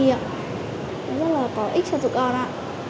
nó rất là có ích cho tụi con ạ